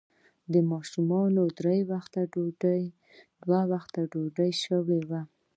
د ماشومانو درې وخته ډوډۍ، دوه وخته شوې وه.